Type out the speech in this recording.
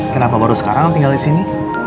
kenapa baru sekarang tinggal di sini